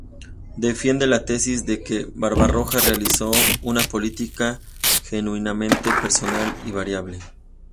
Defiende la tesis de que Barbarroja realizó una política genuinamente personal y variable.